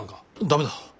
ダメだ。